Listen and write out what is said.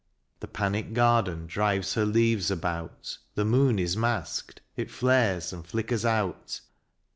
The panicked garden drives her leaves about : The moon is masked : it flares and flickers out.